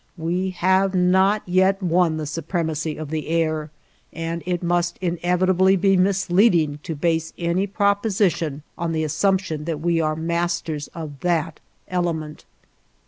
We have not yet won the supremacy of the air, and it must inevitably be misleading to base any proposition on the assumption that we are masters of that element.